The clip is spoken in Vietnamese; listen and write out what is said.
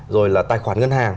rồi là tài khoản ngân hàng